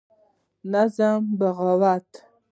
نظم: بغاوت